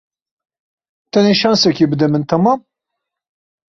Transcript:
Tenê şensekê bide min, temam?